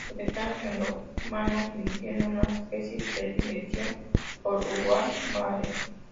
Se declara melómano, sintiendo una especial predilección por Gustav Mahler.